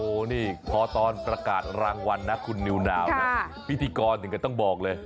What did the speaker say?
โอ้โหนี่พอตอนประกาศรางวัลนะคุณนิวนาวนะพิธีกรถึงก็ต้องบอกเลย